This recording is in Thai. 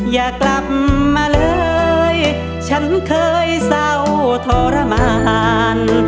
อย่ากลับมาเลยฉันเคยเศร้าทรมาน